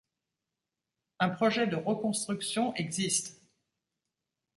Un projet de reconstruction existe.